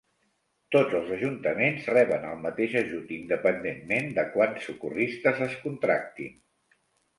Tots els ajuntaments reben el mateix ajut independentment de quants socorristes es contractin.